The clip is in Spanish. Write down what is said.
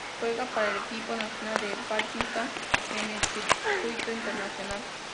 Juega para el equipo nacional de Pakistán en el circuito internacional.